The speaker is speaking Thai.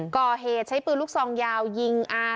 ก่อเหตุใช้ปืนลูกซองยาวยิงอา